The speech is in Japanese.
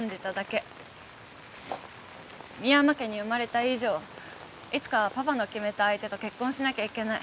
深山家に生まれた以上いつかはパパの決めた相手と結婚しなきゃいけない。